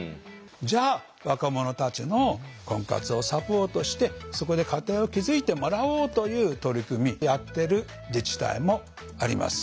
じゃあ若者たちの婚活をサポートしてそこで家庭を築いてもらおうという取り組みやってる自治体もあります。